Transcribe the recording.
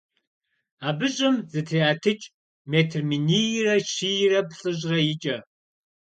Абы щӀым зытреӀэтыкӀ метр минийрэ щийрэ плӀыщӀрэ икӀэ.